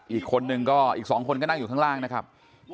อีกคนนึงก็อีก๒คนก็นั่งอยู่ข้างล่างนะครับ